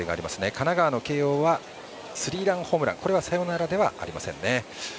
神奈川の慶応はスリーランホームランサヨナラではありません。